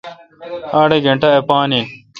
اڑ گینٹہ اے° پان این۔